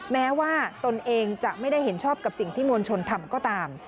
แม้ว่าตนเองจะไม่ได้เห็นชอบกับสิ่งที่มวลชนทำก็ตาม